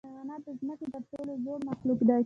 حیوانات د ځمکې تر ټولو زوړ مخلوق دی.